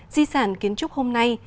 di sản kiến trúc hôm nay